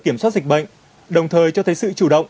kiểm soát dịch bệnh đồng thời cho thấy sự chủ động